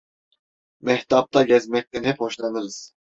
Mehtapta gezmekten hep hoşlanırız.